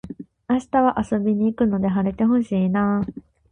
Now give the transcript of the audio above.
明日は遊びに行くので晴れて欲しいなあ